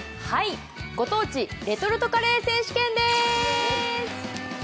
ご当地レトルトカレー選手権でーす。